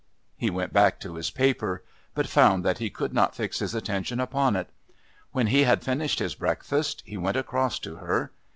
He went back to his paper, but found that he could not fix his attention upon it. When he had finished his breakfast he went across to her.